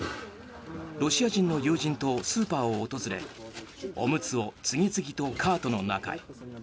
ロシア人の友人とスーパーを訪れおむつを次々とカートの中へ。